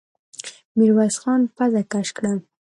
ميرويس خان پزه کش کړه.